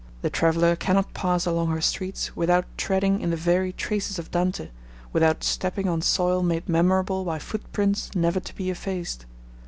The traveller cannot pass along her streets without treading in the very traces of Dante, without stepping on soil made memorable by footprints never to be effaced.